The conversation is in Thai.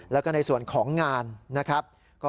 แล้วก็ในส่วนของงานนะครับ